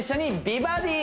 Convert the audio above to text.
美バディ